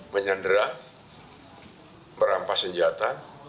menyenderah merampas senjata